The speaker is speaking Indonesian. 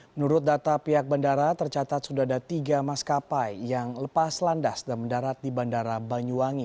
menurut data pihak bandara tercatat sudah ada tiga maskapai yang lepas landas dan mendarat di bandara banyuwangi